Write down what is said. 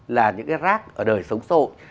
là những cái rác ở đời sống sôi